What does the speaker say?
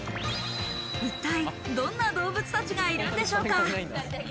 一体どんな動物たちがいるんでしょうか。